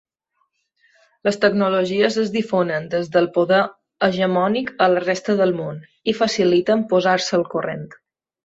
Les tecnologies es difonen des del poder hegemònic a la resta del món i faciliten posar-se al corrent.